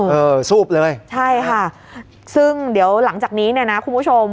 เออซูบเลยใช่ค่ะซึ่งเดี๋ยวหลังจากนี้เนี่ยนะคุณผู้ชม